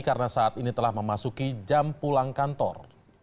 karena saat ini telah memasuki jam pulang kantor